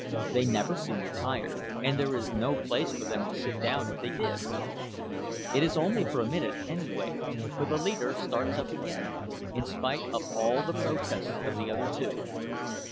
They never seem to tire; and there is no place for them to sit down if they did. It is only for a minute, anyway, for the leader starts up again, in spite of all the protests of the other two.